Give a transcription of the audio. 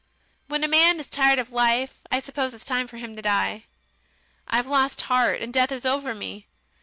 When a man is tired of life, I suppose it is time for him to die. I've lost heart, and death is over me.